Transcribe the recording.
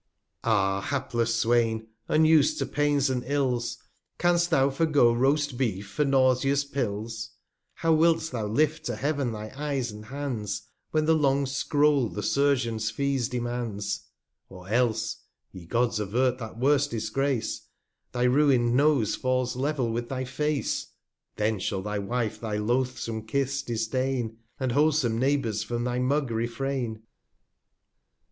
44 I A Ah hapless Swain, unus'd to Pains and Ills ! Canst thou forgo Roast Beef for nauseous Pills ? 300 How wilt thou lift to Heav'n thy Eyes and Hands, When the long Scroll the Surgeon's Fees demands ! Or else (ye Gods avert that worst Disgrace) Thy ruin'd Nose falls level with thy Face, | Then shall thy Wife thy loathsome Kiss disdain, 305 wholesome Neighbours from thy Mug refrain.